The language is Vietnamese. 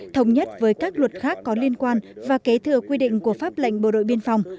thống nhất với các luật khác có liên quan và kế thừa quy định của pháp lệnh bộ đội biên phòng